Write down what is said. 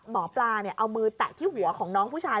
หมอปลาเอามือแตะที่หัวของน้องผู้ชาย